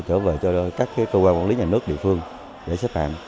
trở về cho các cơ quan quản lý nhà nước địa phương để xếp hạng